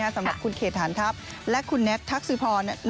สำหรับคุณเขตฐานทัพและคุณแน็ตทักษิพร